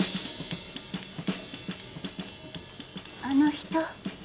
あの人。